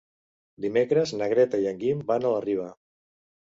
Dimecres na Greta i en Guim van a la Riba.